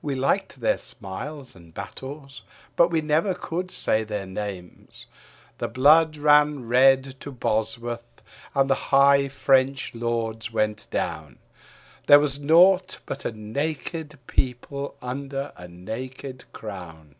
We liked their smiles and battles, but we never could say their names. The blood ran red to Bosworth and the high French lords went down; There was naught but a naked people under a naked crown.